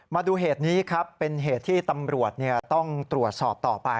มาดูเหตุนี้ครับเป็นเหตุที่ตำรวจต้องตรวจสอบต่อไป